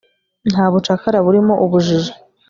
nta bucakara burimo ubujiji